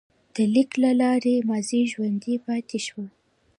د لیک له لارې ماضي ژوندی پاتې شو.